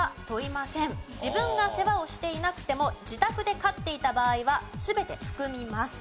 自分が世話をしていなくても自宅で飼っていた場合は全て含みます。